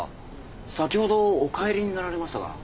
先ほどお帰りになられましたが。